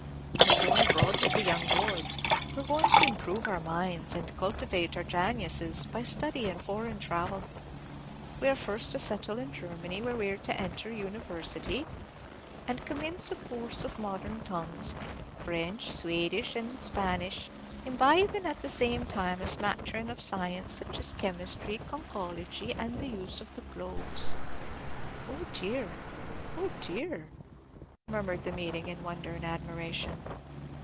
I 'm going abroad with the young lord; we are going to improve our minds, and cultivate our janiuses, by study and foreign travel. We are first to settle in Germany, where we 're to enter a University, and commince a coorse of modern tongues, French, Sweadish, and Spanish; imbibin' at the same time a smatterin' of science, such as chemistry, conchology, and the use of the globes." "Oh dear! oh dear!" murmured the meeting, in wonder and admiration.